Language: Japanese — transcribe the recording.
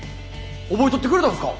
覚えとってくれたんですか！？